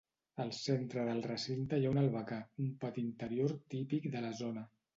Al centre del recinte hi ha un albacar, un pati interior típic de la zona.